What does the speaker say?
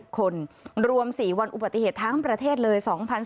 คนรวม๔วันอุบัติเหตุทั้งประเทศเลย